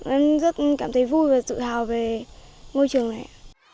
em rất cảm thấy vui và tự hào về ngôi trường này